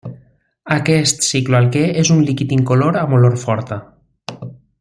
Aquest cicloalquè és un líquid incolor amb olor forta.